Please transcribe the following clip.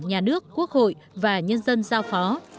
nhà nước quốc hội và nhân dân giao phó